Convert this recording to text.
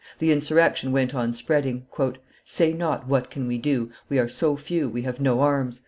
The insurrection went on spreading. "Say not, What can we do? we are so few; we have no arms!"